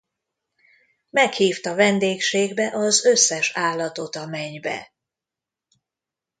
Meghívta vendégségbe az összes állatot a Mennybe.